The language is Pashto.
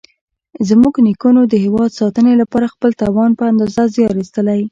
زموږ نیکونو د هېواد ساتنې لپاره خپل توان په اندازه زیار ایستلی.